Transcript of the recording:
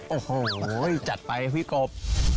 โอ้โหจัดไปพี่กบ